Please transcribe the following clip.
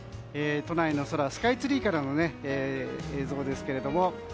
都内の空、スカイツリーからの映像ですけども。